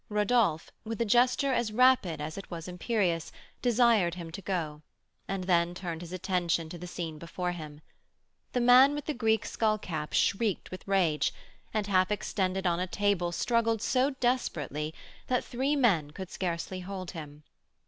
Rodolph, with a gesture as rapid as it was imperious, desired him to go, and then turned his attention to the scene before him. The man with the Greek skull cap shrieked with rage, and, half extended on a table, struggled so desperately, that three men could scarcely hold him.